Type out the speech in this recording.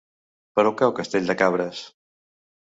Per on cau Castell de Cabres?